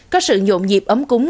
có sự nhộn dịp ấm cúng